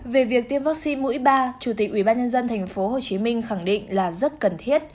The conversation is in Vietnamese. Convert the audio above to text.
về việc tiêm vaccine mũi ba chủ tịch ubnd tp hcm khẳng định là rất cần thiết